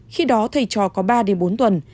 khi đó thầy cho có ba bốn tuần